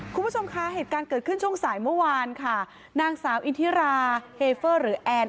คุณผู้ชมคะเหตุการณ์เกิดขึ้นช่วงสายเมื่อวานค่ะนางสาวอินทิราเฮเฟอร์หรือแอน